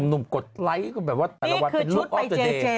หนุ่มกดไลค์ก็แบบว่าเป็นลูกออฟเจอร์เดย์